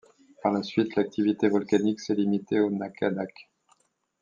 Par la suite, l'activité volcanique s'est limitée au Naka-dake.